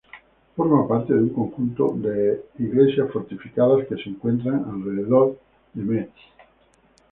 Forma parte de un conjunto de iglesias fortificadas que se encuentran alrededor de Metz.